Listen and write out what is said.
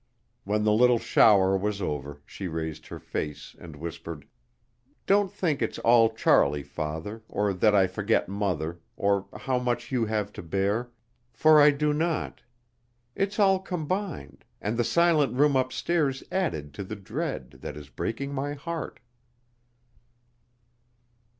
When the little shower was over she raised her face and whispered: "Don't think it's all Charlie, father, or that I forget mother, or how much you have to bear; for I do not. It's all combined, and the silent room upstairs added to the dread, that is breaking my heart."